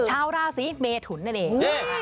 ชาวราศีเมทุนนั่นเอง